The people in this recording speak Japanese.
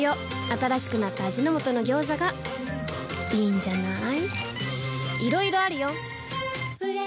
新しくなった味の素の「ギョーザ」がいいんじゃない？